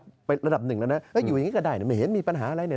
สำหรับหนึ่งแล้วนะอยู่อย่างนี้ก็ได้ไม่เห็นมีปัญหาอะไร